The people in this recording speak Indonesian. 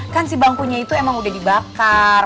kan si bangkunya itu emang udah dibakar